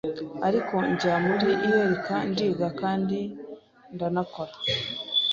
ariko njya muri ULK ndiga kandi ndanakora